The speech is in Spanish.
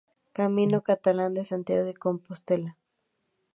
Camino Catalán de Santiago de Compostela